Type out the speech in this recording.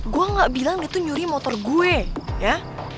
gue gak bilang dia tuh nyuri motor gue ya